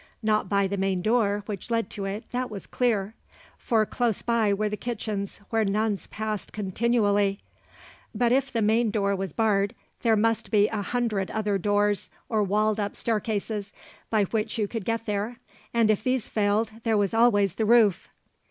Not by the main door which led to it, that was clear; for close by were the kitchens, where nuns passed continually! But if the main door was barred, there must be a hundred other doors or walled up staircases, by which you could get there; and if these failed, there was always the roof.